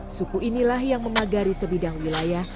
suku inilah yang memagari sebidang wilayah